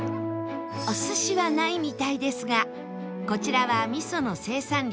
お寿司はないみたいですがこちらは味噌の生産量